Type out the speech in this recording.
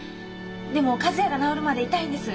でも和也が治るまでいたいんです。